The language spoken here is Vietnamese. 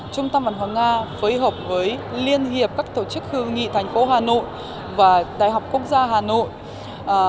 trung tâm văn hóa nga phối hợp với liên hiệp các tổ chức hữu nghị thành phố hà nội và đại học quốc gia hà nội